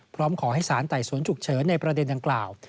พร้อมขอให้สารไต่สวนฉุกเฉินในประเด็นดังกล่าว